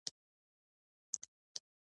زه د ګهيځ هر مهال ورزش کوم